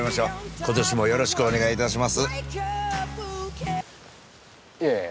今年もよろしくお願いいたします。